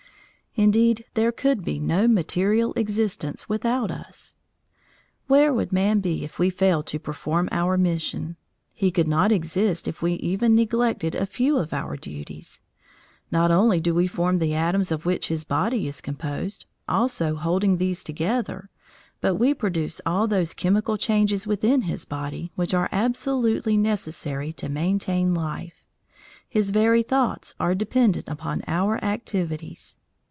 Indeed, there could be no material existence without us. Where would man be if we failed to perform our mission? He could not exist if we even neglected a few of our duties. Not only do we form the atoms of which his body is composed, also holding these together, but we produce all those chemical changes within his body which are absolutely necessary to maintain life. His very thoughts are dependent upon our activities.